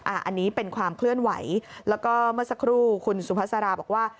อันนี้เป็นความเคลื่อนไหวแล้วก็เมื่อสักครู่คุณสุภาษาราบอกว่า